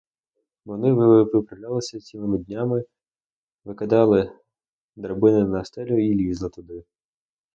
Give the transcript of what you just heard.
Вони вправлялися цілими днями, викидали драбини на скелю і лізли туди.